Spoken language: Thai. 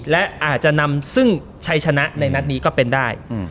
และอาจจะนำซึ่งชัยชนะในนัดนี้ก็เป็นได้